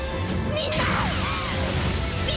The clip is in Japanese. みんな！